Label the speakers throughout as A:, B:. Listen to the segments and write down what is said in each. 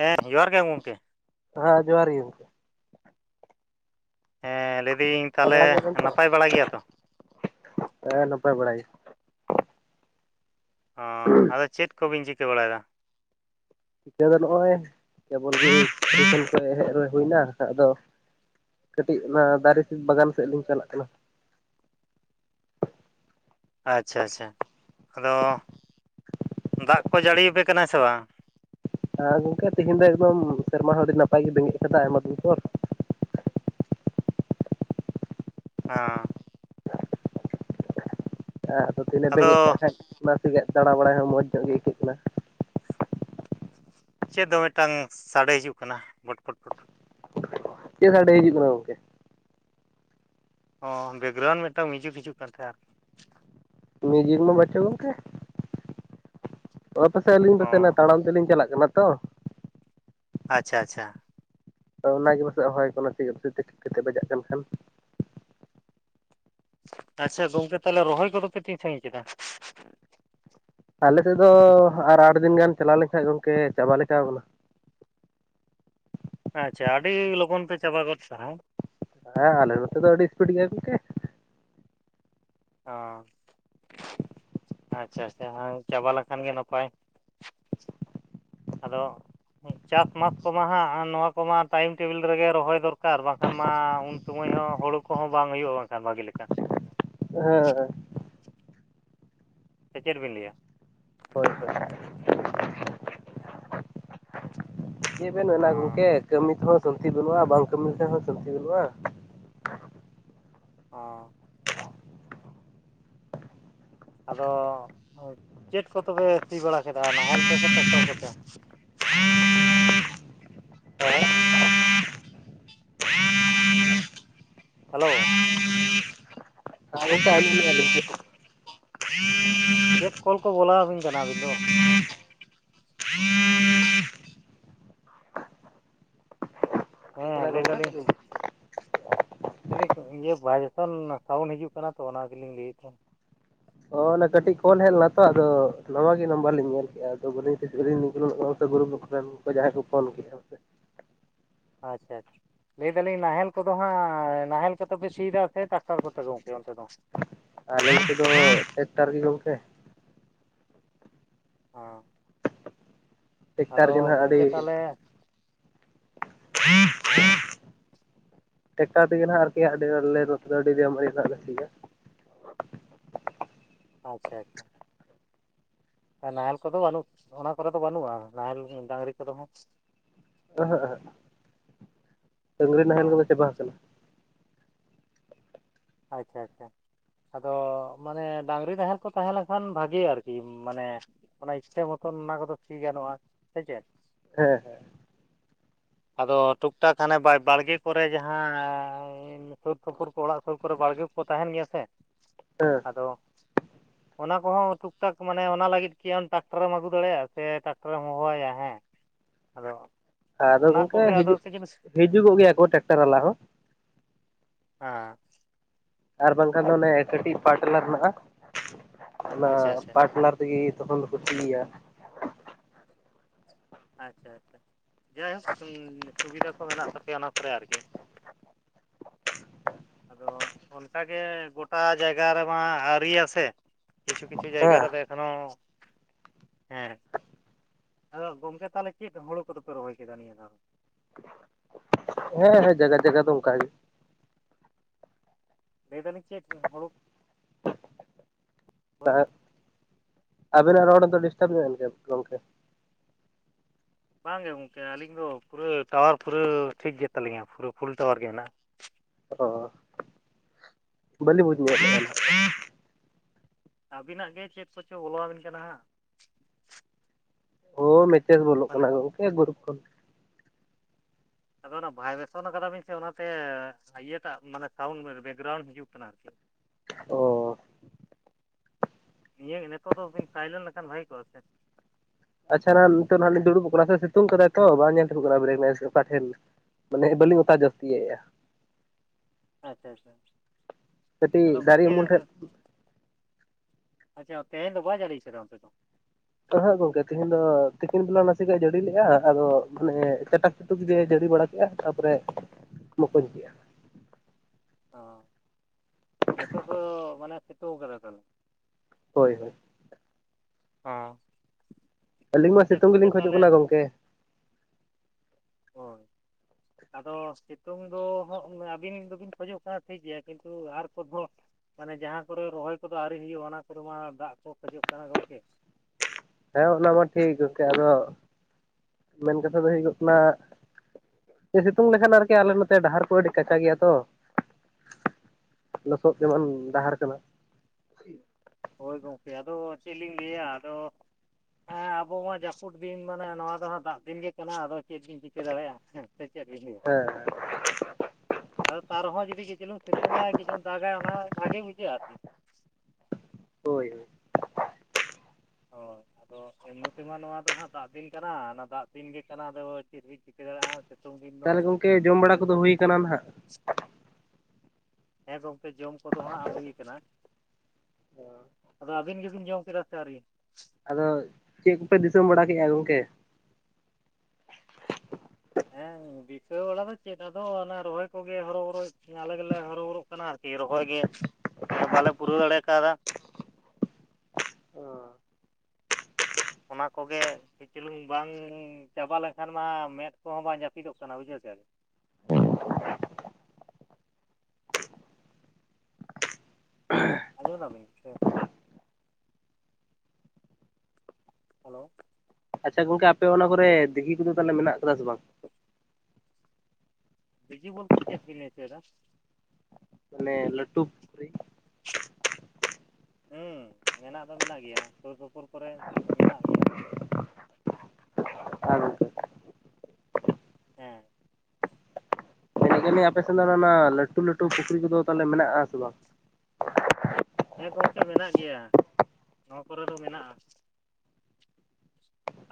A: ᱦᱮᱸ ᱡᱚᱦᱟᱨ ᱜᱮ ᱜᱚᱝᱠᱮ
B: ᱦᱮᱸ ᱡᱚᱦᱟᱨ ᱜᱮ
A: ᱦᱮᱸ ᱞᱟᱹᱭᱫᱤᱧᱼᱼ
B: ᱱᱟᱯᱟᱭ ᱵᱟᱲᱟ ᱜᱮᱭᱟ ᱵᱤᱱ ᱛᱚ ᱦᱮᱸ ᱱᱟᱯᱟᱭ ᱵᱟᱲᱟᱭ ᱜᱮ
A: ᱚ ᱟᱫᱚ ᱪᱮᱫ ᱠᱚᱵᱤᱱ ᱪᱤᱠᱟᱹ ᱵᱟᱲᱟᱭᱮᱫᱟ?
B: ᱪᱤᱠᱟᱹ ᱫᱚ ᱱᱚᱜᱼᱚᱭ ᱠᱮᱵᱚᱞ ᱜᱮ ᱥᱤᱛᱩᱝ ᱠᱷᱚᱡ ᱦᱮᱡ ᱦᱩᱭᱱᱟ᱾ ᱠᱟᱹᱴᱤᱡ ᱚᱱᱟ ᱫᱟᱨᱮ ᱵᱟᱜᱟᱱ ᱥᱮᱫ ᱞᱤᱧ ᱪᱟᱞᱟᱜ ᱠᱟᱱᱟ᱾
A: ᱟᱪᱪᱷᱟ ᱟᱪᱪᱷᱟ ᱟᱫᱚ ᱫᱟᱜ ᱠᱚ ᱡᱟᱹᱲᱤᱭᱟᱯᱮ ᱠᱟᱱᱟ ᱥᱮ ᱵᱟᱝ
B: ᱟᱨ ᱜᱚᱝᱠᱮ ᱛᱤᱦᱮᱧ ᱫᱚ ᱮᱠᱫᱚᱢ ᱥᱮᱨᱢᱟ ᱦᱚᱸ ᱟᱹᱰᱤ ᱱᱟᱯᱟᱭ ᱜᱮ ᱵᱮᱸᱜᱮᱫ ᱟᱠᱟᱫᱟ ᱟᱭᱢᱟ ᱫᱤᱱ ᱯᱚᱨ᱾
A: ᱦᱮᱸ
B: ᱫᱚ ᱛᱤᱦᱮᱧ
A: ᱟᱫᱚ
B: ᱵᱮᱸᱜᱮᱫ ᱠᱟᱜ ᱠᱷᱟᱡ ᱚᱱᱟ ᱛᱮᱜᱮ ᱫᱟᱬᱟ ᱵᱟᱲᱟᱭ ᱦᱚᱸ ᱢᱚᱡᱽ ᱧᱚᱜ ᱜᱮ ᱟᱹᱭᱠᱟᱹᱜ ᱠᱟᱱᱟ᱾
A: ᱪᱮᱫ ᱫᱚ ᱢᱤᱫᱴᱟᱝ ᱥᱟᱰᱮ ᱦᱤᱡᱩᱜ ᱠᱟᱱᱟ ᱵᱚᱴ ᱵᱚᱴ ᱯᱚᱴ?
B: ᱪᱮ ᱥᱟᱰᱮ ᱦᱤᱡᱩᱜ ᱠᱟᱱᱟ ᱜᱚᱝᱠᱮ?
A: ᱚ ᱵᱮᱠᱜᱨᱟᱣᱩᱱᱰ ᱢᱤᱫᱴᱟᱝ ᱢᱤᱭᱩᱡᱤᱠ ᱦᱤᱡᱩᱜ ᱠᱟᱱ ᱛᱟᱦᱮᱸᱫᱼᱟ
B: ᱢᱤᱭᱩᱡᱤᱠ ᱢᱟ ᱵᱟᱪᱚ ᱜᱚᱝᱠᱮ ᱚ ᱯᱟᱥᱮᱡ ᱟᱹᱞᱤᱧ ᱫᱚ
A: ᱚ
B: ᱛᱟᱲᱟᱢ ᱛᱮᱞᱤᱧ ᱪᱟᱞᱟᱜ ᱠᱟᱱᱟ ᱛᱚ᱾
A: ᱟᱪᱪᱷᱟ ᱟᱪᱪᱷᱟ
B: ᱛᱚ ᱚᱱᱟᱜᱮ ᱯᱟᱥᱮᱡ ᱦᱚᱭ ᱠᱚ ᱱᱟᱥᱮ ᱪᱮᱫ ᱛᱮ [unintelligible] ᱵᱟᱡᱟᱜ ᱠᱟᱱ ᱛᱟᱦᱮᱸᱱ
A: ᱟᱪᱪᱷᱟ ᱜᱚᱝᱠᱮ ᱛᱟᱦᱞᱮ ᱨᱚᱦᱚᱭ ᱠᱚᱫᱚ ᱯᱮ ᱛᱤᱱ ᱥᱟᱸᱜᱤᱧ ᱠᱮᱫᱟ?
B: ᱟᱞᱮ ᱥᱮᱫ ᱫᱚ ᱟᱨ ᱟᱴ ᱫᱤᱱ ᱜᱟᱱ ᱪᱟᱞᱟᱣ ᱞᱮᱱᱠᱷᱟᱡ ᱜᱚᱝᱠᱮ ᱪᱟᱵᱟ ᱞᱮᱠᱟ
A: ᱟᱪᱪᱷᱟ ᱟᱰᱤ ᱞᱚᱜᱚᱱ ᱯᱮ ᱪᱟᱵᱟ ᱜᱚᱫ ᱫᱟ ᱦᱟᱹᱜ
B: ᱦᱮᱸ ᱟᱞᱮ ᱱᱚᱛᱮ ᱫᱚ ᱟᱹᱰᱤ ᱥᱯᱤᱴ ᱜᱮᱭᱟ ᱜᱚᱝᱠᱮ
A: ᱚ ᱟᱪᱪᱷᱟ ᱟᱪᱪᱷᱟ ᱦᱳᱭ ᱪᱟᱵᱟ ᱞᱮᱠᱷᱟᱱ ᱜᱮ ᱱᱟᱯᱟᱭ ᱟᱫᱚ ᱪᱟᱥᱢᱟᱥ ᱠᱚᱢᱟ ᱦᱟᱸᱜ ᱱᱚᱣᱟ ᱠᱚᱢᱟ ᱴᱟᱭᱤᱢ ᱴᱮᱵᱤᱞ ᱨᱮᱜᱮ ᱨᱚᱦᱚᱭ ᱫᱚᱨᱠᱟᱨ ᱵᱟᱝᱠᱷᱟᱱ ᱢᱟᱩᱱ ᱥᱳᱢᱳᱭ ᱦᱚᱸ ᱦᱳᱲᱳ ᱠᱚᱦᱚᱸ ᱵᱟᱝ ᱦᱩᱭᱩᱜ-ᱟ ᱵᱟᱝᱠᱷᱟᱱ ᱵᱷᱟᱜᱤ ᱞᱮᱠᱟ
B: ᱦᱮᱸ
A: ᱥᱮ ᱪᱮᱫ ᱵᱤᱱ ᱞᱟᱹᱭᱟ?
B: ᱦᱳᱭ ᱦᱳᱭ ᱪᱮᱫ ᱵᱮᱱ ᱢᱮᱱᱟ
A: ᱦᱚᱸ
B: ᱜᱚᱝᱠᱮ ᱠᱟᱹᱢᱤ ᱛᱮ ᱦᱚᱸ ᱥᱟᱱᱛᱤ ᱵᱟᱹᱱᱩᱜ-ᱟ ᱵᱟᱢ ᱠᱟᱹᱢᱤ ᱛᱮ ᱦᱚᱸ ᱥᱟᱱᱛᱤ ᱵᱟᱹᱱᱩᱜ-ᱟ
A: ᱚ ᱟᱫᱚ ᱪᱮᱫ ᱠᱚ ᱛᱚᱵᱮ ᱥᱤ ᱵᱟᱲᱟ ᱠᱮᱫᱟ ᱱᱟᱦᱮᱞ ᱛᱮ ᱥᱮ ᱴᱟᱠᱴᱚᱨ ᱠᱚᱛᱮ? ᱦᱮᱞᱳ
B: [inaudible]
A: ᱪᱮᱫ ᱠᱚᱞ ᱠᱚ ᱵᱚᱞᱚ ᱟᱵᱤᱱ ᱠᱟᱱᱟ ᱟᱹᱵᱤᱱ ᱫᱚ ᱦᱮᱸ ᱞᱟᱹᱭ ᱫᱟᱞᱤᱧᱱᱱᱱᱱᱱᱱ ᱠᱷᱟᱛᱤ ᱤᱭᱟᱹ ᱵᱟᱭ ᱡᱚᱛᱚᱱ ᱥᱚᱨᱟᱵᱚᱱ ᱦᱤᱡᱩᱜ ᱠᱟᱱᱟ ᱛᱚ ᱚᱱᱟ ᱜᱮᱞᱤᱧ ᱞᱟᱹᱭᱮᱫ ᱛᱟᱦᱮᱸᱜ
B: ᱦᱚᱱᱟ ᱠᱟᱹᱴᱤᱡ ᱠᱚᱞ ᱦᱮᱡ ᱞᱟᱛᱟᱨ ᱟᱫᱚ ᱱᱟᱣᱟ ᱜᱮ ᱱᱟᱢᱵᱟᱨ ᱞᱤᱧ ᱧᱮᱞ ᱠᱮᱜᱼᱟ ᱟᱫᱚ ᱵᱟᱞᱤᱧ [unintelligible] [unintelligible] ᱥᱮ ᱜᱩᱨᱩᱢᱠᱮᱱ ᱡᱟᱦᱟᱸᱭ ᱠᱚ ᱯᱷᱳᱱ ᱠᱮᱜᱼᱟ ᱯᱟᱥᱮ
A: ᱟᱪᱪᱷᱟ ᱞᱟᱹᱭ ᱫᱟᱞᱤᱧ ᱱᱟᱦᱮᱞ ᱠᱚᱫᱚ ᱦᱟᱸᱜ ᱱᱟᱦᱮᱞ ᱠᱚᱛᱮ ᱯᱮ ᱥᱤᱭᱫᱟ ᱥᱮ ᱰᱟᱠᱴᱟᱨ ᱠᱚᱛᱮ ᱜᱚᱝᱠᱮ ᱚᱱᱛᱮ ᱫᱚ?
B: ᱟᱞᱮ ᱱᱚᱫᱮ ᱫᱚ ᱴᱮᱠᱴᱟᱨ ᱜᱮ ᱜᱚᱝᱠᱮ
A: ᱚ
B: ᱴᱮᱠᱴᱟᱨ
A: ᱟᱫᱚ
B: ᱜᱮ ᱱᱟᱦᱟᱜ ᱟᱹᱰᱤ
A: ᱜᱚᱝᱠᱮ ᱛᱟᱦᱚᱞᱮ ᱦᱚᱸ
B: ᱴᱮᱠᱴᱟᱨ ᱛᱮᱜᱮ ᱱᱟᱦᱟᱜ ᱟᱨᱠᱤ ᱟᱹᱰᱤ ᱜᱟᱱ ᱞᱮ ᱱᱚᱛᱮ ᱫᱚᱟᱰᱤ ᱞᱮ ᱥᱤᱭᱟ
A: ᱟᱪᱪᱷᱟ ᱟᱪᱪᱷᱟ ᱟᱨ ᱱᱟᱦᱮᱞ ᱠᱚᱫᱚ ᱵᱟᱹᱱᱩᱜ ᱚᱱᱟ ᱠᱚᱨᱮ ᱫᱚ ᱵᱟᱹᱱᱩᱜᱼᱟ ᱱᱟᱦᱮᱞ ᱰᱟᱝᱨᱤ ᱠᱚᱫᱚ ᱦᱚᱸ
B: ᱟᱸᱦᱟᱜ ᱟᱸᱦᱟᱜ ᱰᱟᱹᱝᱨᱤ ᱱᱟᱦᱮᱞ ᱠᱚᱫᱚ
A: ᱚ
B: ᱪᱟᱵᱟ ᱦᱟᱠᱟᱱᱟ
A: ᱟᱪᱪᱷᱟ ᱟᱪᱪᱷᱟ ᱟᱫᱚ ᱢᱟᱱᱮ ᱰᱟᱝᱨᱤ ᱱᱟᱦᱮᱞ ᱠᱚ ᱛᱟᱦᱮᱸ ᱞᱮᱱᱠᱷᱟᱱ ᱵᱷᱟᱜᱮ ᱟᱨᱠᱤ ᱢᱟᱱᱮ ᱢᱟᱱᱮ ᱤᱪᱷᱟᱹ ᱢᱚᱛᱚᱱ ᱚᱱᱟ ᱠᱚᱫᱚ ᱥᱤ ᱜᱟᱱᱚᱜᱼᱟ ᱥᱮ ᱪᱮᱫ?
B: ᱦᱮᱸ ᱦᱮᱸ
A: ᱟᱫᱚ ᱴᱩᱠᱴᱟᱠ ᱦᱟᱱᱮ ᱵᱟᱭ ᱵᱟᱲᱜᱮ ᱠᱚᱨᱮ ᱡᱟᱦᱟᱸᱻ ᱥᱩᱨ ᱥᱩᱯᱩᱨ ᱠᱚ ᱚᱲᱟᱜ ᱥᱩᱨ ᱠᱚᱨᱮ ᱵᱟᱲᱜᱮ ᱠᱚ ᱛᱟᱦᱮᱱ ᱜᱮᱭᱟ ᱥᱮ
B: ᱦᱮᱸ
A: ᱟᱫᱚ ᱚᱱᱟ ᱠᱚᱦᱚᱸ ᱴᱩᱠ ᱴᱟᱠ ᱢᱟᱱᱮ ᱚᱱᱟ ᱞᱟᱹᱜᱤᱫ ᱠᱤ ᱟᱢ ᱴᱨᱟᱠᱴᱟᱨᱮᱢ ᱟᱹᱜᱩ ᱫᱟᱲᱮᱭᱟᱜᱼᱟ ᱥᱮ ᱴᱨᱟᱠᱴᱟᱨᱮᱢ ᱦᱚᱦᱚᱣᱟᱭᱟ ᱦᱮᱸ ᱟᱫᱚ
B: ᱟᱫᱚ
A: ᱚᱱᱟ
B: ᱜᱚᱝᱠᱮ
A: ᱠᱚᱜᱮ ᱟᱫᱚ
B: ᱦᱤᱡᱩᱜ
A: ᱪᱮᱫ ᱡᱤᱱᱤᱥ
B: ᱦᱤᱡᱩᱜᱚᱜ ᱜᱮᱭᱟ ᱠᱚ ᱴᱨᱟᱠᱴᱟᱨ ᱵᱟᱞᱟ ᱦᱚᱸ
A: ᱟ
B: ᱟᱨ ᱵᱟᱝᱠᱷᱟᱱ ᱫᱚ ᱚᱱᱮ ᱠᱟᱹᱴᱤᱡ ᱯᱟᱴᱤᱞᱟᱨ ᱢᱮᱱᱟᱜᱼᱟ ᱚᱱᱟ
A: ᱟᱪᱪᱷᱟ ᱟᱪᱪᱷᱟ
B: ᱯᱟᱴᱤᱞᱟᱨ ᱛᱮᱜᱮ ᱛᱚᱠᱷᱚᱱ ᱫᱚᱠᱚ ᱥᱤᱭᱟ
A: ᱟᱪᱪᱷᱟ ᱟᱪᱪᱷᱟ ᱡᱟᱭᱦᱳᱠ ᱥᱩᱵᱤᱫᱷᱟ ᱠᱚ ᱢᱮᱱᱟᱜ ᱛᱟᱯᱮᱭᱟ ᱚᱱᱟ ᱠᱚᱨᱮ ᱟᱨᱠᱤ ᱟᱫᱚ ᱚᱱᱠᱟ ᱜᱮ ᱜᱚᱴᱟ ᱡᱟᱭᱜᱟ ᱨᱮᱢᱟ ᱟᱹᱣᱨᱤᱭᱟ ᱥᱮ ᱠᱤᱪᱷᱩ ᱠᱤᱪᱷᱩᱼᱼ ᱠᱤᱪᱷᱩ ᱡᱟᱭᱜᱟ
B: ᱦᱮᱸ
A: ᱨᱮᱫᱚ ᱮᱠᱷᱚᱱᱚ ᱦᱮᱸᱼᱼ ᱟᱫᱚ ᱜᱚᱝᱠᱮ ᱛᱟᱦᱚᱞᱮ ᱪᱮᱫ ᱦᱩᱲᱩ ᱠᱚᱫᱚᱯᱮ ᱨᱚᱦᱚᱭ ᱠᱮᱫᱟ ᱱᱤᱭᱟᱹ ᱫᱷᱟᱣᱼᱼ
B: ᱦᱮᱸ ᱦᱮᱸ ᱡᱟᱜᱟ ᱡᱟᱜᱟ ᱫᱚ ᱚᱱᱠᱟ ᱜᱮ ᱾
A: ᱞᱟᱹᱭᱫᱟᱞᱤᱧ ᱪᱮᱫ ᱦᱩᱲᱩᱼᱼ ᱨᱚᱦᱚᱭ
B: ᱱᱟᱜᱼᱟᱭ
A: ᱠᱮᱫᱟ
B: ᱟᱵᱮ ᱱᱟᱜ ᱨᱚᱲ ᱫᱚ ᱰᱤᱥᱴᱟᱵ ᱧᱚᱜ ᱮᱱ ᱜᱮᱭᱟ ᱜᱚᱝᱠᱮ ᱾
A: ᱵᱟᱝ ᱜᱮ ᱜᱚᱝᱠᱮ ᱟᱹᱞᱤᱧ ᱫᱚ ᱯᱩᱨᱟᱹ ᱴᱟᱣᱟᱨ ᱯᱩᱨᱟᱹ ᱴᱷᱤᱠ ᱜᱮ ᱛᱟᱞᱤᱧᱟ ᱯᱩᱨᱟᱹ ᱯᱷᱩᱞ ᱴᱟᱣᱟᱨ ᱜᱮ ᱦᱮᱱᱟᱜᱼᱟ ᱾
B: ᱚ ᱵᱟᱞᱤᱧ ᱵᱩᱡᱽ ᱧᱚᱜ ᱞᱮᱫᱟ ᱢᱮᱱᱛᱮᱼᱼ
A: ᱟᱹᱵᱤᱱᱟᱜ ᱜᱮ ᱪᱮᱫ ᱠᱚᱪᱚ ᱵᱚᱞᱚᱣᱟᱵᱤᱱ ᱠᱟᱱᱟ ᱦᱟᱸᱜ ᱾
B: ᱚ ᱢᱮᱴᱮᱱ ᱵᱚᱞᱚᱜ
A: ᱢᱟᱱᱮ
B: ᱠᱟᱱᱟ ᱜᱚᱝᱠᱮ ᱜᱩᱨᱩᱯ ᱠᱷᱚᱱ ᱾
A: ᱟᱫᱚ ᱚᱱᱟ ᱵᱷᱟᱭᱵᱮᱥᱚᱱ ᱠᱟᱫᱟ ᱵᱤᱱ ᱥᱮ ᱚᱱᱟᱛᱮ ᱤᱭᱟᱹᱴᱟᱜ ᱢᱟᱱᱮ ᱥᱟᱣᱩᱱᱰ ᱵᱮᱠᱜᱨᱟᱣᱩᱱᱰ ᱦᱤᱡᱩᱜ ᱠᱟᱱᱟ ᱟᱨᱠᱤ ᱾
B: ᱚ
A: ᱤᱭᱟᱹ ᱱᱤᱛᱚᱜ ᱫᱚᱵᱤᱱ ᱥᱷᱟᱭᱞᱮᱱ ᱞᱮᱠᱷᱟᱱ ᱵᱷᱟᱹᱜᱤ ᱠᱚᱜᱼᱟ ᱥᱮ ᱾
B: ᱟᱪᱪᱷᱟ ᱱᱟᱜ ᱱᱤᱛᱚᱜ ᱱᱟᱜ ᱞᱤ ᱫᱩᱲᱩᱵ ᱠᱟᱱᱟ ᱥᱮ ᱥᱤᱛᱩᱝ ᱠᱟᱫᱟᱭ ᱛᱚ ᱵᱟᱝ ᱧᱮᱞ ᱴᱷᱤᱠᱟᱹᱜ ᱠᱟᱱᱟ ᱵᱨᱮᱠᱱᱟᱭ ᱚᱠᱟ ᱴᱷᱮᱱ ᱾ ᱢᱟᱱᱮ ᱵᱟᱹᱞᱤᱧ ᱚᱛᱟ ᱡᱟᱹᱥ ᱤᱭᱟᱹᱭᱮᱜᱼᱟ ᱾
A: ᱟᱪᱪᱷᱟ ᱟᱪᱪᱷᱟ, ᱟᱫᱚ
B: ᱠᱟᱹᱴᱤᱡ ᱫᱟᱨᱮ
A: ᱜᱚᱝᱠᱮᱼᱼ
B: ᱩᱢᱩᱞ ᱴᱷᱮᱱ
A: ᱟᱪᱪᱷᱟ ᱛᱮᱦᱮ ᱫᱚ ᱵᱟᱭ ᱡᱟᱹᱲᱤ ᱟᱠᱟᱫᱟ ᱚᱱᱛᱮ ᱫᱚ?
B: ᱚᱦᱚᱠ ᱜᱚᱝᱠᱮ, ᱛᱤᱦᱤᱧ ᱫᱚ ᱛᱤᱠᱤᱱ ᱠᱷᱚᱱᱟᱜ ᱱᱟᱥᱮᱭᱟᱭ ᱡᱟᱹᱲᱤ ᱞᱮᱜᱼᱟ ᱟᱫᱚ ᱢᱟᱱᱮ ᱪᱟᱴᱟᱠ ᱾ [inaudible] ᱡᱟᱹᱲᱤ ᱵᱟᱲᱟ ᱠᱮᱫᱮᱜᱼᱟ ᱛᱟᱯᱚᱨᱮ ᱢᱚᱠᱚᱧ ᱠᱮᱫᱼᱟ ᱾
A: ᱚ ᱱᱤᱛᱚᱜ ᱫᱚ ᱢᱟᱱᱮ ᱥᱮᱛᱩᱜ ᱠᱟᱫᱟ ᱛᱟᱦᱚᱞᱮ ᱾
B: ᱦᱳᱭ ᱦᱳᱭ ᱾
A: ᱦᱚᱸ
B: ᱟᱹᱞᱤᱧ ᱢᱟ
A: ᱥᱮ
B: ᱥᱤᱛᱩᱝ
A: ᱜᱚᱝᱠᱮ
B: ᱜᱮᱞᱤᱧ ᱠᱷᱚᱡᱚᱜ
A: ᱛᱟᱦᱚᱞᱮ
B: ᱠᱟᱱᱟ ᱜᱚᱢᱠᱮ ᱾
A: ᱦᱚᱭ ᱾ ᱟᱫᱚ ᱥᱤᱛᱩᱝ ᱫᱚ ᱦᱟᱜ ᱟᱹᱵᱤᱱ ᱫᱚᱵᱤᱱ ᱠᱷᱚᱡᱚᱜ ᱠᱟᱱᱟ ᱴᱷᱤᱠ ᱜᱮᱭᱟ ᱠᱤᱱᱛᱩ ᱟᱨ ᱯᱚᱫᱽᱼᱼ ᱢᱟᱱᱮ ᱡᱟᱦᱟᱸ ᱠᱚᱨᱮ ᱨᱚᱦᱚᱭ ᱠᱚ ᱫᱚ ᱟᱹᱣᱨᱤ ᱦᱩᱸᱭᱩᱜᱼᱟ, ᱚᱱᱟ ᱠᱚᱨᱮ ᱢᱟ ᱫᱟᱜ ᱠᱚ ᱠᱷᱚᱡᱚᱜ ᱠᱟᱱᱟ ᱜᱚᱝᱠᱮ ᱾
B: ᱦᱮᱸ ᱚᱱᱟ ᱢᱟ ᱴᱷᱤᱠ ᱜᱚᱢᱠᱮ ᱟᱫᱚ, ᱢᱮᱱ ᱠᱟᱛᱷᱟ ᱫᱚ ᱦᱩᱭᱩᱜᱚᱜ ᱠᱟᱱᱟᱼᱼ ᱥᱤᱛᱩᱝ ᱞᱮᱠᱷᱟᱱ ᱟᱨᱠᱤ ᱟᱞᱮ ᱱᱚᱛᱮ ᱰᱟᱦᱟᱨ ᱠᱚ ᱟᱹᱰᱤ ᱠᱟᱪᱟ ᱜᱮᱭᱟ ᱛᱚ ᱾ ᱞᱚᱥᱚᱫ ᱡᱮᱢᱚᱱ ᱰᱟᱦᱟᱨ ᱠᱟᱱᱟ ᱾
A: ᱦᱚᱭ ᱜᱚᱝᱠᱮ ᱟᱫᱚ ᱪᱮᱫ ᱞᱤᱧ ᱞᱟᱹᱭᱟ ᱟᱫᱚᱼᱼ ᱦᱮᱸ ᱟᱵᱚ ᱢᱟ ᱡᱟᱹᱯᱩᱫ ᱫᱤᱱ ᱢᱟᱱᱮ ᱱᱚᱣᱟ ᱫᱚ ᱦᱟᱜ ᱫᱟᱜ ᱫᱤᱱ ᱜᱮ ᱠᱟᱱᱟ ᱟᱫᱚ ᱪᱮᱫ ᱵᱤᱱ ᱪᱤᱠᱟᱹ ᱫᱟᱲᱮᱭᱟᱜᱼᱟ ᱦᱮᱸ ᱾ ᱥᱮ ᱪᱮᱫ ᱵᱤᱱ ᱞᱟᱹᱭᱟ ᱾
B: ᱦᱮᱸ ᱾
A: ᱟᱫᱚ ᱛᱟᱨᱮᱦᱚᱸ ᱡᱩᱫᱤ ᱠᱤᱪᱨᱩᱢ ᱥᱤᱛᱩᱝ ᱟᱭ ᱠᱤᱪᱨᱩᱢ ᱫᱟᱜᱟ ᱚᱱᱟ ᱵᱷᱟᱜᱮ ᱵᱩᱡᱷᱟᱹᱜᱼᱟ ᱟᱨᱠᱤ ᱾
B: ᱦᱳᱭ ᱦᱳᱭ ᱾
A: ᱚ ᱟᱫᱚᱼᱼ ᱮᱢᱱᱤ ᱛᱮ ᱢᱟ ᱱᱚᱣᱟ ᱫᱚ ᱦᱟᱜ ᱫᱟᱜ ᱫᱤᱱ ᱠᱟᱱᱟ ᱚᱱᱟ ᱫᱟᱜ ᱫᱤᱱ ᱜᱮ ᱠᱟᱱᱟ ᱟᱫᱚ ᱪᱮᱫ ᱵᱤᱧ ᱪᱤᱠᱟᱹ ᱫᱟᱲᱮᱭᱟᱜᱼᱟ ᱾
B: ᱛᱟᱦᱚᱞᱮ ᱜᱚᱝᱠᱮ ᱡᱚᱢ ᱵᱟᱲᱟ ᱠᱚ ᱫᱚ ᱦᱩᱭ ᱟᱠᱟᱱᱟ ᱱᱟᱜ?
A: ᱦᱮᱸ ᱜᱚᱝᱠᱮ ᱡᱚᱢ ᱠᱚ ᱫᱚ ᱦᱟᱸᱜ ᱦᱩᱭ ᱠᱟᱱᱟ ᱾ ᱟᱫᱚ ᱟᱹᱵᱤᱱ ᱜᱮᱵᱤᱱ ᱡᱚᱢ ᱠᱮᱫᱟ ᱥᱮ ᱟᱶᱨᱤ?
B: ᱟᱫᱚ ᱪᱮᱫ ᱠᱚᱯᱮ ᱫᱤᱥᱚᱢ ᱵᱟᱲᱟ ᱠᱮᱫᱼᱟ ᱜᱚᱝᱠᱮ?
A: ᱦᱮᱸ ᱫᱤᱥᱟᱹ ᱵᱟᱲᱟ ᱫᱚ ᱪᱮᱫ ᱟᱫᱚ ᱚᱱᱟ ᱨᱚᱦᱚᱭ ᱠᱚᱜᱮ ᱦᱚᱨᱚ ᱵᱚᱨᱚᱜ ᱾ ᱟᱞᱮ ᱜᱮᱞᱮ ᱦᱚᱨᱚ ᱵᱚᱨᱚᱜ ᱠᱟᱱᱟ ᱟᱨᱠᱤ, ᱨᱚᱦᱚᱭ ᱜᱮ ᱵᱟᱞᱮ ᱯᱩᱨᱟᱹᱣ ᱫᱟᱲᱮ ᱠᱟᱣᱫᱟ ᱾
B: ᱚ
A: ᱚᱱᱟ ᱠᱚᱜᱮᱼᱼ ᱠᱟᱹᱪᱩᱞᱩᱝ ᱵᱟᱝ ᱪᱟᱵᱟ ᱠᱟᱹᱡ ᱠᱟᱹᱡ ᱪᱩᱞᱩᱜ ᱵᱟᱝ ᱪᱟᱵᱟ ᱞᱮᱱᱠᱷᱟᱱ ᱢᱟ ᱢᱮᱫ ᱠᱚᱦᱚᱸ ᱵᱟᱝ ᱡᱟᱹᱯᱤᱫᱚᱜ ᱠᱟᱱᱟ ᱵᱩᱡᱷᱟᱹᱣ ᱥᱮ ᱾ ᱟᱸᱡᱚᱢ ᱫᱟᱵᱤᱱ ᱥᱮ? ᱦᱮᱞᱳ᱾
B: ᱟᱪᱪᱷᱟ ᱜᱚᱝᱠᱮ, ᱟᱯᱮ ᱚᱱᱟ ᱠᱚᱨᱮ ᱫᱤᱜᱷᱤ ᱠᱚᱫᱚ ᱛᱟᱞᱦᱮ ᱢᱮᱱᱟᱜ ᱠᱟᱫᱟ ᱥᱮ ᱵᱟᱝ?
A: ᱫᱤᱜᱷᱤ ᱵᱚᱞᱛᱮ ᱪᱮᱫ ᱵᱤᱱ ᱞᱟᱹᱭ ᱦᱚᱪᱚᱭ ᱫᱟ?
B: ᱦᱮᱸ ᱞᱟᱹᱴᱩ ᱯᱩᱠᱷᱨᱤ
A: ᱦᱩᱸ, ᱢᱮᱱᱟᱜ ᱫᱚ ᱢᱮᱱᱟᱜ ᱜᱮᱭᱟ ᱥᱩᱨ-ᱥᱩᱯᱩᱨ ᱠᱚᱨᱮ ᱢᱮᱱᱟᱜ ᱜᱮᱭᱟ᱾
B: ᱟᱨ ᱜᱚᱝᱠᱮ
A: ᱦᱮᱸ᱾
B: ᱢᱮᱱᱫᱟᱹᱧ ᱟᱯᱮᱥᱮᱱᱟᱜ ᱫᱚ ᱚᱱᱟ ᱞᱟᱹᱴᱩ ᱞᱟᱹᱴᱩ ᱯᱩᱠᱷᱨᱤ ᱠᱚᱫᱚ ᱛᱟᱦᱞᱮ ᱢᱮᱱᱟᱜ-ᱟ ᱥᱮ ᱵᱟᱝ?
A: ᱦᱮᱸ ᱜᱚᱝᱠᱮ ᱢᱮᱱᱟᱜ ᱜᱮᱭᱟ, ᱱᱚᱣᱟ ᱠᱚᱨᱮ ᱫᱚ ᱢᱮᱱᱟᱜ-ᱟ᱾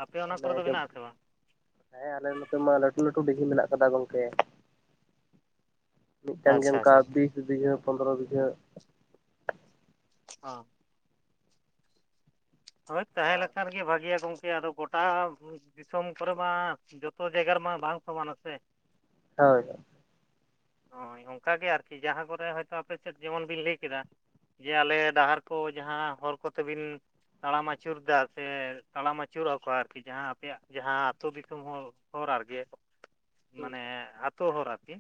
A: ᱟᱯᱮ ᱚᱱᱟ
B: ᱚᱱᱮ
A: ᱠᱚᱨᱮ ᱫᱚ
B: ᱡᱮ
A: ᱢᱮᱱᱟᱜ-ᱟ ᱥᱮ ᱵᱟᱝ?
B: ᱦᱮᱸ ᱟᱞᱮ ᱱᱚᱛᱮ ᱢᱟ ᱞᱟᱹᱴᱩ ᱞᱟᱹᱴᱩ ᱫᱤᱜᱷᱤ ᱢᱮᱱᱟᱜ ᱠᱟᱫᱟ ᱜᱚᱝᱠᱮ᱾ ᱢᱤᱫᱴᱟᱝ ᱜᱮ
A: ᱟᱪᱪᱷᱟ
B: ᱚᱱᱠᱟ
A: ᱟᱪᱪᱷᱟ
B: ᱵᱤᱥ ᱵᱤᱜᱷᱟᱹ, ᱯᱚᱱᱫᱽᱨᱚ ᱵᱤᱜᱷᱟᱹ᱾
A: ᱦᱚᱸ᱾ ᱛᱚᱵᱮ [unintelligible]
B: ᱟᱨ
A: ᱞᱮᱠᱷᱟ ᱨᱮᱜᱮ ᱵᱷᱟᱹᱜᱤᱭᱟ ᱜᱚᱢᱠᱮ ᱟᱫᱚ ᱜᱚᱴᱟ᱾ ᱫᱤᱥᱚᱢ ᱠᱚᱨᱮ ᱢᱟ ᱡᱚᱛᱚ ᱡᱟᱭᱜᱟ ᱨᱮᱢᱟ ᱵᱟᱝ ᱥᱚᱢᱟᱱᱟ ᱥᱮ᱾
B: ᱦᱳᱭ᱾
A: ᱦᱳᱭ ᱚᱱᱠᱟᱜᱮ ᱟᱨᱠᱤ ᱡᱟᱦᱟᱸ ᱠᱚᱨᱮ ᱦᱚᱭᱛᱳ ᱟᱯᱮ ᱥᱮᱫ ᱡᱮᱢᱚᱱ ᱵᱤᱱ ᱞᱟᱹᱭ ᱠᱮᱫᱟ᱾ ᱡᱮ ᱟᱞᱮ ᱰᱟᱦᱟᱨ ᱠᱚ ᱡᱟᱦᱟᱸ ᱦᱚᱨ ᱠᱚᱛᱮᱵᱤᱱ᱾ ᱛᱟᱲᱟᱢ ᱟᱹᱪᱩᱨᱮᱫᱟ ᱥᱮ ᱛᱟᱲᱟᱢ ᱟᱹᱪᱩᱨᱚᱜ-ᱟ ᱠᱚ ᱟᱨᱠᱤ ᱡᱟᱦᱟᱸ ᱟᱯᱮᱭᱟᱜ ᱡᱟᱦᱟᱸ ᱟᱛᱳ ᱫᱤᱥᱚᱢ ᱦᱚᱲ᱾ ᱦᱚᱨ ᱟᱨᱠᱮ
B: ᱦᱩᱸ
A: ᱢᱟᱱᱮ ᱟᱛᱳ ᱦᱚᱨ ᱟᱨᱠᱤ᱾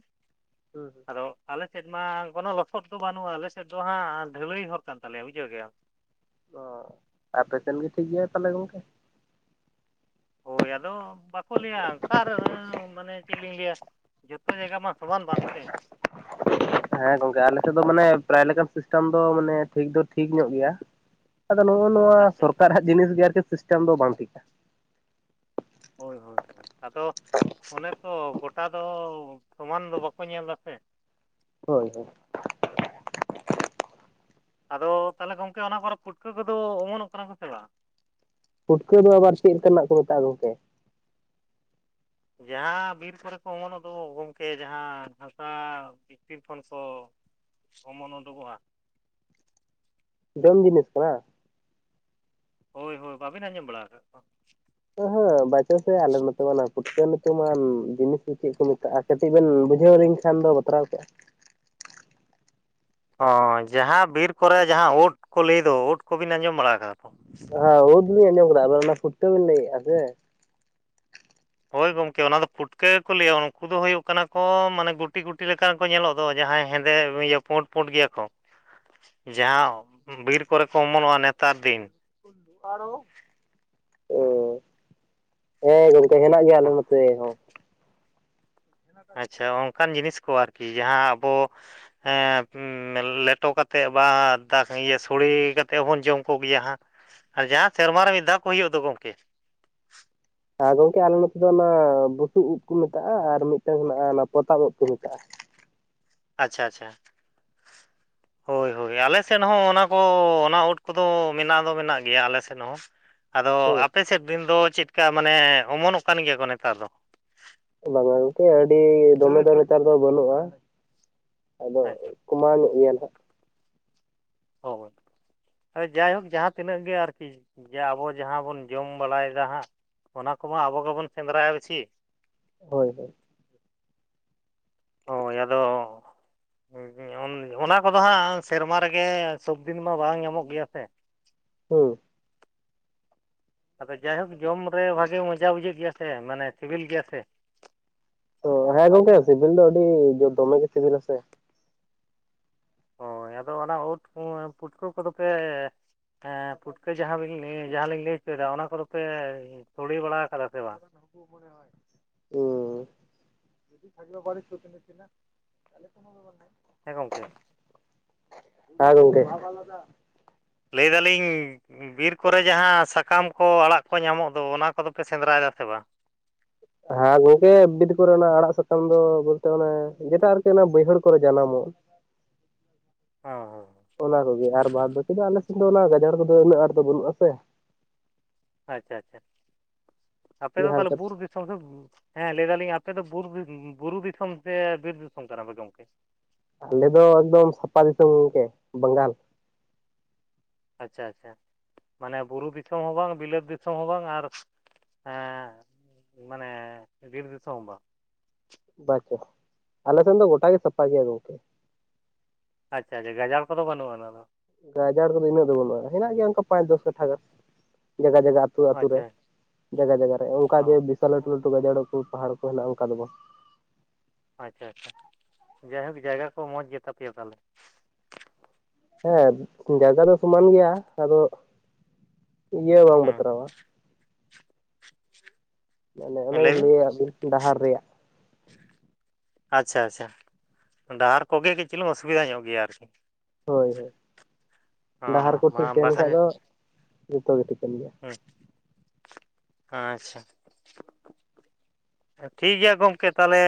B: ᱦᱩᱸ ᱦᱩᱸ
A: ᱟᱫᱚ ᱟᱞᱮ ᱥᱮᱫ ᱢᱟ ᱠᱳᱱᱳ ᱞᱚᱥᱚᱫ ᱫᱚ ᱵᱟᱹᱱᱩᱜ-ᱟ, ᱟᱞᱮ ᱥᱮᱫ ᱫᱚ ᱦᱟᱸᱜ ᱰᱷᱟᱹᱞᱟᱹᱭ ᱦᱚᱨ ᱠᱟᱱ ᱛᱟᱞᱮᱭᱟ ᱵᱩᱡᱷᱟᱹᱣ ᱡᱮᱭᱟᱢ᱾
B: ᱚᱻ ᱟᱯᱮ ᱥᱮᱱ ᱜᱮ ᱴᱷᱤᱠ ᱜᱮᱭᱟ ᱛᱟᱞᱦᱮ ᱜᱚᱝᱠᱮ᱾
A: ᱦᱳᱭ ᱟᱫᱚ ᱵᱟᱠᱚ ᱞᱟᱹᱭᱟ ᱚᱠᱟᱨᱮ ᱢᱟᱱᱮ ᱪᱮᱫ ᱞᱤᱧ ᱞᱟᱹᱭᱟ ᱡᱚᱛᱚ ᱡᱟᱭᱜᱟ ᱢᱟ ᱥᱚᱢᱟᱱ ᱵᱟᱝ ᱥᱮ?
B: ᱦᱮᱸ ᱜᱚᱝᱠᱮ ᱟᱞᱮ ᱥᱮᱫ ᱫᱚ ᱢᱟᱱᱮ ᱯᱨᱟᱭ ᱞᱮᱠᱟᱱ ᱥᱤᱥᱴᱮᱢ ᱫᱚ ᱢᱟᱱᱮ ᱴᱷᱤᱠ ᱫᱚ ᱴᱷᱤᱠ ᱧᱚᱜ ᱜᱮᱭᱟ᱾ ᱟᱫᱚ ᱱᱚᱜ-ᱚ ᱱᱚᱣᱟ
A: ᱟᱪᱪᱷᱟ
B: ᱥᱚᱨᱠᱟᱨᱟᱜ ᱡᱤᱱᱤᱥ ᱜᱮ ᱟᱨᱠᱤ ᱥᱤᱥᱴᱮᱢ ᱫᱚ ᱵᱟᱝ ᱴᱷᱤᱠᱟ᱾
A: ᱦᱳᱭ ᱦᱳᱭ ᱦᱳᱭ, ᱟᱫᱚ ᱚᱱᱮ ᱛᱚ ᱜᱚᱴᱟ ᱫᱚ ᱥᱚᱢᱟᱱ ᱫᱚ ᱵᱟᱠᱚ ᱧᱮᱞᱫᱟᱥᱮ᱾
B: ᱦᱳᱭ ᱦᱳᱭ᱾
A: ᱟᱫᱚ ᱛᱟᱞᱦᱮ ᱜᱚᱝᱠᱮ ᱚᱱᱟ ᱠᱚᱨᱮ ᱯᱩᱴᱠᱟᱹ ᱠᱚᱫᱚ ᱚᱢᱚᱱᱚᱜ ᱠᱟᱱᱟ ᱠᱚ ᱥᱮ ᱵᱟᱝ?
B: ᱯᱩᱴᱠᱟᱹ ᱫᱚ ᱟᱵᱟᱨ ᱪᱮᱜ ᱞᱮᱠᱟᱱᱟᱜ ᱠᱚ ᱢᱮᱛᱟᱜ-ᱟ ᱜᱚᱝᱠᱮ?
A: ᱡᱟᱦᱟᱸ ᱵᱤᱨ ᱠᱚᱨᱮ ᱠᱚ ᱚᱢᱚᱱᱚᱜ ᱫᱚ ᱜᱚᱝᱠᱮ ᱡᱟᱦᱟᱸ ᱦᱟᱥᱟ ᱵᱷᱤᱛᱤᱨ ᱠᱷᱚᱱ ᱠᱚ ᱚᱢᱚᱱ ᱩᱰᱩᱝᱚᱜ-ᱟ᱾
B: ᱡᱚᱢ ᱡᱤᱱᱤᱥ ᱠᱟᱱᱟ?
A: ᱦᱳᱭ ᱦᱳᱭ, ᱵᱟᱵᱤᱱ ᱟᱸᱡᱚᱢ ᱵᱟᱲᱟ ᱠᱟᱜ ᱠᱚᱣᱟ? [inaudible]
B: ᱦᱮᱸ ᱵᱟᱪᱚ ᱥᱮ ᱟᱞᱮ ᱱᱚᱛᱮ ᱢᱟ ᱚᱱᱟ ᱯᱩᱴᱠᱟᱹ ᱧᱩᱛᱩᱢᱟᱱ ᱡᱤᱱᱤᱥ ᱫᱚ ᱪᱮᱜ ᱠᱚ ᱢᱮᱛᱟᱜᱼᱴ-ᱟ ᱠᱟᱹᱴᱤᱡ ᱵᱮᱱ ᱵᱩᱡᱷᱟᱹᱣ ᱟᱞᱤᱧ ᱠᱷᱟᱱ ᱫᱚ ᱵᱟᱛᱨᱟᱣ ᱠᱚᱜ-ᱟ᱾
A: ᱚ, ᱡᱟᱦᱟᱸ ᱵᱤᱨ ᱠᱚᱨᱮ ᱡᱟᱦᱟᱸ ᱳᱫ ᱠᱚ ᱞᱟᱹᱭ ᱫᱚ ᱳᱫ ᱠᱚᱵᱤᱱ ᱟᱸᱡᱚᱢ ᱵᱟᱲᱟ ᱠᱟᱫᱟ ᱛᱚ?
B: ᱦᱟᱸ, ᱩᱫ ᱫᱚᱞᱤᱧ ᱟᱸᱡᱚᱢ ᱠᱟᱫᱟ, ᱟᱵᱟᱨ ᱚᱱᱟ ᱯᱷᱩᱴᱠᱟᱹ ᱵᱤᱱ ᱞᱟᱹᱭᱮᱜ-ᱟ ᱥᱮ᱾
A: ᱦᱳᱭ ᱜᱚᱝᱠᱮ ᱚᱱᱟ ᱫᱚ ᱯᱩᱴᱠᱟᱹ ᱜᱮᱠᱚ ᱞᱟᱹᱭᱟ ᱩᱱᱠᱩ ᱫᱚ ᱦᱩᱭᱩᱜ ᱠᱟᱱᱟ ᱠᱚ ᱢᱟᱱᱮ ᱜᱩᱴᱤ ᱜᱩᱴᱤ ᱞᱮᱠᱟ ᱠᱚ ᱧᱮᱞᱚᱜ ᱫᱚ ᱡᱟᱦᱟᱸᱭ ᱦᱮᱸᱫᱮ ᱤᱭᱟᱹ ᱯᱩᱸᱰ ᱯᱩᱸᱰ ᱜᱮᱭᱟ ᱠᱚ᱾ ᱡᱟᱸᱦᱟ ᱵᱤᱨ ᱠᱚᱨᱮ ᱠᱚ ᱚᱢᱚᱱᱚᱜ-ᱟ ᱱᱮᱛᱟᱨ ᱫᱤᱱ᱾
B: ᱩᱞᱞᱩ ᱟᱲᱳ, ᱩᱸ᱾ ᱦᱮᱸ ᱜᱚᱝᱠᱮ ᱦᱮᱱᱟᱜ ᱜᱮᱭᱟ ᱟᱞᱮ ᱱᱚᱛᱮ ᱦᱚᱸ᱾
A: ᱟᱪᱪᱷᱟ ᱚᱝᱠᱟᱱ ᱡᱤᱱᱤᱥ ᱠᱚ ᱟᱨᱠᱤ ᱡᱟᱦᱟᱸ ᱟᱵᱚ ᱦᱮᱸ ᱩᱸ ᱞᱮᱴᱚ ᱠᱟᱛᱮ ᱵᱟ ᱫᱟ ᱤᱭᱟᱹ ᱥᱚᱲᱮ ᱠᱟᱛᱮ ᱦᱚᱸᱵᱚᱱ ᱡᱚᱢ ᱠᱚᱜᱮᱭᱟ ᱦᱟᱸ᱾ ᱟᱨ ᱡᱟᱦᱟᱸ ᱥᱮᱨᱢᱟ ᱨᱮ ᱢᱤᱫ ᱫᱷᱟᱣ ᱠᱚ ᱦᱩᱭᱩᱜ ᱫᱚ ᱜᱚᱝᱠᱮ᱾
B: ᱟᱨ ᱜᱚᱝᱠᱮ ᱟᱞᱮ ᱱᱚᱛᱮ ᱫᱚ ᱚᱱᱟ ᱵᱩᱥᱩᱵ ᱩᱫ ᱠᱚ ᱢᱮᱛᱟᱜ-ᱟ ᱟᱨ ᱢᱤᱫᱴᱟᱝ ᱦᱮᱱᱟᱜ-ᱟ ᱚᱱᱟ ᱯᱚᱛᱟᱢ ᱩᱫ ᱠᱚ ᱢᱮᱛᱟᱜ-ᱟ᱾
A: ᱟᱪᱪᱷᱟ ᱟᱪᱪᱷᱟ᱾ ᱦᱳᱭ ᱦᱳᱭ, ᱟᱞᱮ ᱥᱮᱱ ᱦᱚᱸ ᱚᱱᱟ ᱠᱚ ᱚᱱᱟ ᱩᱫ ᱠᱚᱫᱚ ᱢᱮᱱᱟᱜ ᱫᱚ ᱢᱮᱱᱟᱜ ᱜᱮᱭᱟ ᱟᱞᱮ ᱥᱮᱱ ᱦᱚᱸ᱾ ᱟᱫᱚ
B: ᱦᱮᱸ
A: ᱟᱯᱮ ᱥᱮᱫ ᱢᱮᱱᱫᱚ ᱪᱮᱫᱠᱟ ᱢᱟᱱᱮ ᱚᱢᱚᱱᱚᱜ ᱠᱟᱱ ᱜᱮᱭᱟ ᱠᱚ ᱱᱮᱛᱟᱨ ᱫᱚ?
B: ᱚᱱᱟ ᱫᱚ ᱜᱚᱝᱠᱮ ᱟᱹᱰᱤ ᱫᱚᱢᱮ ᱫᱚ ᱱᱮᱛᱟᱨ ᱫᱚ ᱵᱟᱹᱱᱩᱜ-ᱟ ᱟᱫᱚ
A: ᱦᱮᱸᱥᱮ
B: ᱠᱚᱢᱟᱟᱣ ᱧᱚᱜ ᱜᱤᱭᱟ ᱱᱟᱦᱟᱜ᱾
A: ᱦᱳᱭ᱾ ᱦᱮᱸ, ᱡᱟᱭᱦᱳᱠ ᱡᱟᱦᱟᱸ ᱛᱤᱱᱟᱹᱜ ᱜᱮ ᱟᱨᱠᱤ ᱡᱮ ᱟᱵᱚ ᱡᱟᱦᱟᱸ ᱵᱚᱱ ᱡᱚᱢ ᱵᱟᱲᱟᱭ ᱫᱟ ᱦᱟᱸᱜ᱾ ᱚᱱᱟ ᱠᱚᱢᱟ ᱟᱵᱚ ᱜᱮᱵᱚᱱ ᱥᱮᱸᱫᱽᱨᱟᱭᱟ ᱵᱤᱪᱷᱤ᱾
B: ᱦᱳᱭ ᱦᱳᱭ᱾
A: ᱦᱳᱭ᱾ ᱟᱫᱚ ᱦᱳᱭ ᱦᱳᱭ ᱩᱱ ᱚᱱᱟ ᱠᱚᱫᱚ ᱦᱟᱸᱜ ᱥᱮᱨᱢᱟ ᱨᱮᱜᱮ ᱥᱚᱵᱫᱤᱱ ᱢᱟ ᱵᱟᱝ ᱧᱟᱢᱚᱜ ᱜᱮᱭᱟ ᱥᱮ᱾
B: ᱦᱩᱸ᱾
A: ᱟᱫᱚ ᱡᱟᱭᱦᱳᱠ ᱡᱚᱢ ᱨᱮ ᱵᱷᱟᱜᱮ ᱢᱚᱡᱟ ᱵᱩᱡᱷᱟᱹᱜ ᱜᱮᱭᱟ ᱥᱮ, ᱢᱟᱱᱮ ᱥᱤᱵᱤᱞ ᱜᱮᱭᱟ ᱥᱮ᱾
B: ᱚᱸ ᱦᱮᱸ ᱜᱚᱝᱠᱮ ᱥᱤᱵᱤᱞ ᱫᱚ ᱟᱹᱰᱤ ᱫᱚᱢᱮ ᱜᱮ ᱥᱤᱵᱤᱞᱟ ᱥᱮ᱾
A: ᱦᱳᱭ, ᱟᱫᱚ ᱚᱱᱟ ᱩᱴ ᱩᱸ ᱯᱩᱴᱠᱟᱹ ᱠᱚᱫᱚ ᱯᱮ ᱦᱮᱸ ᱯᱩᱴᱠᱟᱹ ᱡᱟᱸᱦᱟ ᱩᱞᱤᱧ ᱞᱟᱹᱭ ᱠᱮᱫᱟ ᱡᱟᱸᱦᱟ ᱞᱤᱧ ᱞᱟᱹᱭ ᱪᱩᱭᱫᱟ ᱚᱱᱟ ᱠᱚᱫᱚ ᱯᱮ ᱥᱚᱲᱮ ᱵᱟᱲᱟᱣ ᱠᱟᱫᱟ ᱥᱮ ᱵᱟᱝ?
B: [unintelligible] ᱩᱸ [unintelligible] ᱛᱟᱦᱞᱮ ᱠᱳᱱᱳ ᱜᱮ ᱵᱟᱝ ᱦᱮᱡ ᱠᱚᱜ-ᱟ᱾
A: ᱦᱮᱸ ᱜᱚᱝᱠᱮ᱾
B: ᱦᱮᱸ ᱜᱚᱝᱠᱮ᱾
A: ᱞᱟᱹᱭᱫᱟᱞᱤᱧ ᱵᱤᱨ ᱠᱚᱨᱮ ᱡᱟᱦᱟᱸ ᱥᱟᱠᱟᱢ ᱠᱚ ᱟᱲᱟᱜ ᱠᱚ ᱧᱟᱢᱚᱜ ᱫᱚ ᱚᱱᱟ ᱠᱚᱫᱚ ᱯᱮ ᱥᱮᱸᱫᱽᱨᱟᱭ ᱫᱟ ᱥᱮ ᱵᱟᱝ?
B: ᱦᱟᱸ ᱜᱚᱝᱠᱮ ᱵᱤᱫ ᱠᱚᱨᱮ ᱱᱟᱜ ᱟᱲᱟᱜ ᱥᱟᱠᱟᱢ ᱫᱚ ᱵᱚᱞᱛᱮ ᱡᱮᱴᱟ ᱟᱨᱠᱤ ᱚᱱᱟ ᱵᱟᱹᱭᱦᱟᱹᱲ ᱠᱚᱨᱮ ᱡᱟᱱᱟᱢᱚᱜ᱾
A: [inaudible] ᱦᱚᱸ
B: ᱚᱱᱟ ᱠᱚᱜᱮ ᱟᱨ ᱵᱟᱫ ᱵᱟᱹᱠᱤ ᱫᱚ ᱟᱞᱮ ᱥᱮᱱ ᱫᱚ ᱚᱱᱟ ᱜᱟᱡᱟᱲ ᱠᱚᱫᱚ ᱩᱱᱟᱹᱜ ᱟᱸᱴ ᱫᱚ ᱵᱟᱹᱱᱩᱜᱼᱴ-ᱟ ᱥᱮ᱾
A: ᱟᱪᱪᱷᱟ ᱟᱪᱪᱷᱟ, ᱟᱯᱮ ᱫᱚ
B: ᱡᱟᱦᱟᱸ
A: ᱛᱟᱦᱞᱮ
B: ᱞᱮᱠᱟ
A: ᱵᱩᱨ ᱫᱤ ᱫᱤᱥᱚᱢ ᱠᱷᱚᱱ, ᱦᱮᱸ ᱞᱟᱹᱭ ᱫᱟᱞᱤᱧ ᱟᱯᱮ ᱫᱚ ᱵᱩᱨ ᱩᱸ ᱵᱩᱨᱩ ᱫᱤᱥᱚᱢ ᱥᱮ ᱵᱤᱨ ᱫᱤᱥᱚᱢ ᱠᱟᱱᱟ ᱯᱮ ᱜᱚᱝᱠᱮ?
B: ᱟᱞᱮ ᱫᱚ ᱮᱠᱫᱚᱢ ᱥᱟᱯᱟ ᱫᱤᱥᱚᱢ ᱜᱚᱝᱠᱮ, ᱵᱟᱝᱜᱟᱞ᱾
A: ᱟᱪᱪᱷᱟ ᱟᱪᱪᱷᱟ᱾ ᱢᱟᱱᱮ ᱵᱩᱨᱩ ᱫᱤᱥᱚᱢ ᱦᱚᱸ ᱵᱟᱝ ᱵᱤᱞᱟᱹᱛ ᱫᱤᱥᱚᱢ ᱦᱚᱸ ᱵᱟᱝ ᱟᱨ ᱮᱸᱻ ᱢᱟᱱᱮ ᱵᱤᱨ ᱫᱤᱥᱚᱢ ᱦᱚᱸ ᱵᱟᱝ᱾
B: ᱵᱟᱪᱚ, ᱟᱞᱮ ᱥᱮᱱ ᱫᱚ ᱜᱚᱴᱟ ᱜᱮ ᱥᱟᱯᱟ ᱜᱮᱭᱟ ᱜᱚᱝᱠᱮ᱾
A: ᱟᱪᱪᱷᱟ ᱟᱪᱪᱷᱟ ᱜᱟᱡᱟᱲ ᱠᱚᱫᱚ ᱵᱟᱱᱩᱜ-ᱟᱱ ᱟᱫᱚ?
B: ᱜᱟᱡᱟᱲ ᱠᱚᱫᱚ ᱩᱱᱟᱹᱜ ᱫᱚ ᱵᱟᱹᱱᱩᱜ-ᱟ, ᱦᱮᱱᱟᱜ ᱜᱮᱭᱟ ᱚᱝᱠᱟ ᱯᱟᱸᱪ ᱫᱚᱥ ᱠᱟᱴᱷᱟ ᱜᱟᱱ ᱡᱟᱜᱟ ᱡᱟᱜᱟ᱾ ᱟᱛᱩ ᱟᱛᱩ ᱨᱮ,
A: ᱟᱪᱪᱷᱟ
B: ᱡᱟᱜᱟ ᱡᱟᱜᱟ ᱨᱮ ᱚᱝᱠᱟ
A: ᱚ
B: ᱡᱮ ᱵᱤᱥᱟᱞ ᱞᱟᱹᱴᱩ ᱞᱟᱹᱴᱩ ᱜᱟᱡᱟᱲ ᱠᱚ ᱯᱟᱦᱟᱲ ᱠᱚ ᱦᱮᱱᱟᱜ-ᱟ ᱚᱝᱠᱟ ᱫᱚ ᱵᱟᱝ᱾
A: ᱟᱪᱪᱷᱟ ᱟᱪᱪᱷᱟ, ᱡᱟᱭᱦᱳᱠ ᱡᱟᱭᱜᱟ ᱠᱚ ᱢᱚᱸᱡᱽ ᱜᱮᱛᱟᱯᱮᱭᱟ ᱛᱟᱦᱞᱮ?
B: ᱦᱮᱸ ᱡᱟᱭᱜᱟ ᱫᱚ ᱥᱚᱢᱟᱱ ᱜᱮᱭᱟ ᱟᱫᱚ ᱤᱭᱟᱹ ᱵᱟᱝ ᱵᱟᱛᱨᱟᱣᱟ᱾
A: [inaudible]
B: ᱚᱱᱮ ᱚᱱᱟ.
A: ᱦᱩᱸ
B: ᱧ
A: ᱞᱟᱹᱭ ᱵᱤᱱ
B: ᱞᱟᱹᱭᱟᱜ ᱵᱤᱱ ᱰᱟᱦᱟᱨ ᱨᱮᱭᱟᱜ᱾
A: ᱟᱪᱪᱷᱟ ᱟᱪᱪᱷᱟ, ᱰᱟᱦᱟᱨ ᱠᱚᱜᱮ ᱠᱟᱺᱪ ᱪᱩᱞᱩᱝ ᱚᱥᱵᱤᱫᱟ ᱧᱚᱜ ᱜᱮᱭᱟ ᱟᱨᱠᱤ᱾
B: ᱦᱳᱭ ᱦᱳᱭ,
A: ᱚ
B: ᱰᱟᱦᱟᱨ ᱠᱚ ᱴᱷᱤᱠ
A: ᱢᱟ
B: ᱛᱟᱸᱦᱮᱱ
A: ᱵᱟᱠᱷᱟᱱ
B: ᱠᱷᱟᱡ ᱫᱚ ᱡᱷᱚᱛᱚ ᱜᱮ ᱴᱷᱤᱠᱟ. ᱱ ᱜᱮᱭᱟ᱾
A: ᱦᱩᱸ ᱟᱪᱪᱷᱟ ᱾ ᱴᱷᱤᱠ ᱜᱮᱭᱟ ᱜᱚᱝᱠᱮ ᱛᱟᱞᱦᱮᱼᱼ